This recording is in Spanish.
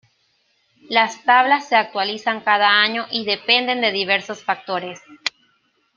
Las tablas se actualizan cada año y dependen de diversos factores.